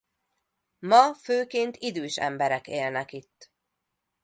Ma főként idős emberek élnek itt.